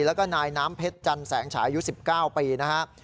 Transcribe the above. แล้วก็นายน้ำเพชรจันแสงฉายอายุ๑๙ปีนะครับ